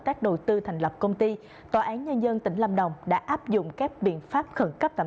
tác đầu tư thành lập công ty tòa án nhân dân tỉnh lâm đồng đã áp dụng các biện pháp khẩn cấp tạm